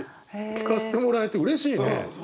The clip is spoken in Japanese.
聞かせてもらえてうれしいね。